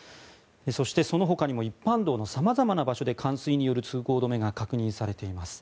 そしてそのほかにも一般道の様々な場所で冠水による通行止めが確認されています。